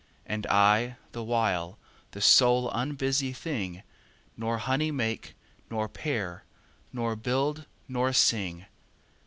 And I, the while, the sole unbusy thing, 5 Nor honey make, nor pair, nor build, nor sing.